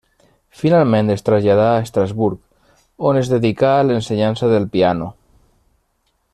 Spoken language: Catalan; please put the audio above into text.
Finalment, es traslladà, a Estrasburg, on es dedicà a l'ensenyança del piano.